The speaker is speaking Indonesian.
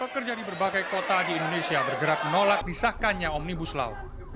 pekerja di berbagai kota di indonesia bergerak menolak disahkannya omnibus law